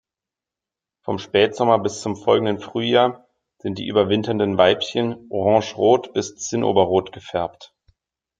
Vom Spätsommer bis zum folgenden Frühjahr sind die überwinternden Weibchen orangerot bis zinnoberrot gefärbt.